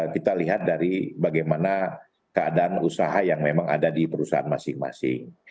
kita lihat dari bagaimana keadaan usaha yang memang ada di perusahaan masing masing